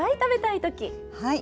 はい。